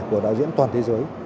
của đạo diễn toàn thế giới